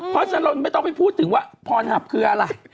เพราะฉะนั้นเราไม่ต้องไปพูดถึงว่าพรหับคืออะไร